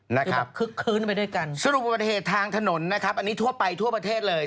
นะครับสรุปอุบัติเหตุทางถนนนะครับอันนี้ทั่วไปทั่วประเทศเลย